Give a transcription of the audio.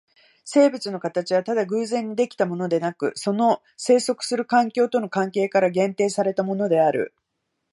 生物の形はただ偶然に出来たものでなく、その棲息する環境との関係から限定されたものである。